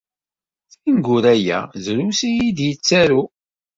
Tineggura-ya drus i yi-d-yettaru.